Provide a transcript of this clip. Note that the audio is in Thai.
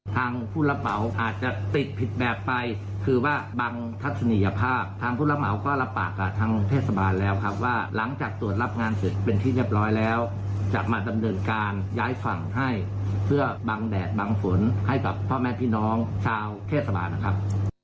ทางผู้รับเหมาอาจจะติดผิดแบบไปคือว่าบังทัศนียภาพทางผู้รับเหมาก็รับปากกับทางเทศบาลแล้วครับว่าหลังจากตรวจรับงานเสร็จเป็นที่เรียบร้อยแล้วจะมาดำเนินการย้ายฝั่งให้เพื่อบังแดดบังฝนให้กับพ่อแม่พี่น้องชาวเทศบาลนะครับ